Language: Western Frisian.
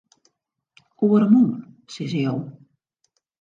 Oaremoarn, sizze jo?